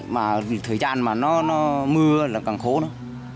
mà thời gian mà nó mưa là càng khổ nữa